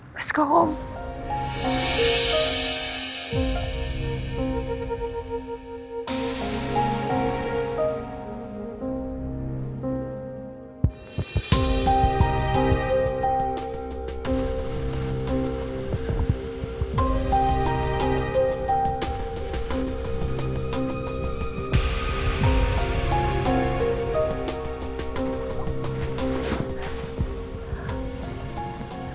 masa yang terakhir